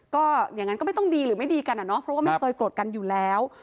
ก็อย่างนั้นก็ไม่ต้องดีหรือไม่ดีกันอะเนาะเพราะว่าไม่เคยโกรธกันอยู่แล้ว